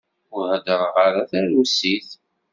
Ur hedṛeɣ ara tarusit.